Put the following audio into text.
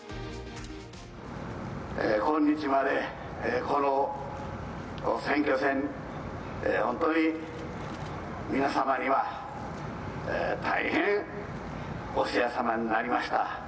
今日まで、この選挙戦、本当に皆様には大変お世話様になりました。